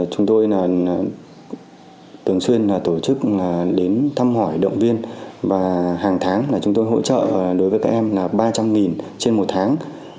chương trình hoạt động chúng tôi tường xuyên tổ chức đến thăm hỏi động viên và hàng tháng chúng tôi hỗ trợ đối với các em ba trăm linh trên một tháng